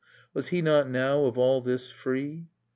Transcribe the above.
Was he not now of all this free.